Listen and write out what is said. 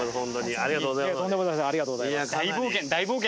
ありがとうございます。